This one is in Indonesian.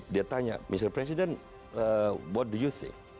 dia tanya mr president what do you think